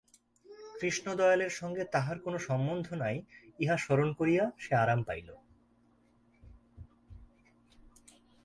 কৃষ্ণদয়ালের সঙ্গে তাহার কোনো সম্বন্ধ নাই ইহা স্মরণ করিয়া সে আরাম পাইল।